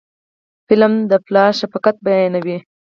فلم د پلار شفقت بیانوي